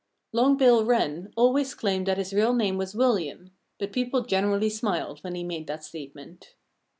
Long Bill Wren always claimed that his real name was William; but people generally smiled when he made that statement.